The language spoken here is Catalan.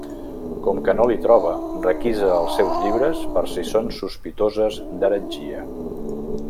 Com que no l'hi troba, requisa els seus llibres per si són sospitoses d'heretgia.